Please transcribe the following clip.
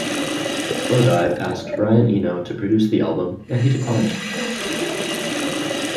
Slowdive asked Brian Eno to produce the album and he declined.